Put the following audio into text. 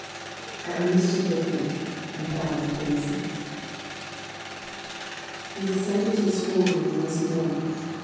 '—I understood the hint, and bowed acquiescence. "We descended to the school room once more.